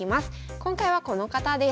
今回はこの方です。